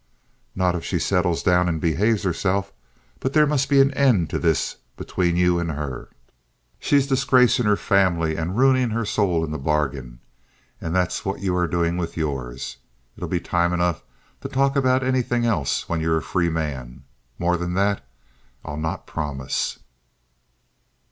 "Not if she settles down and behaves herself: but there must be an end of this between you and her. She's disgracin' her family and ruinin' her soul in the bargain. And that's what you are doin' with yours. It'll be time enough to talk about anything else when you're a free man. More than that I'll not promise."